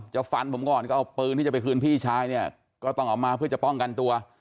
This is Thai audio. ฟันผมก่อนก็เอาปืนที่จะไปคืนพี่ชายเนี่ยก็ต้องเอามาเพื่อจะป้องกันตัว